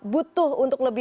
butuh untuk lebih